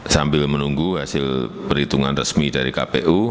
sambil menunggu hasil perhitungan resmi dari kpu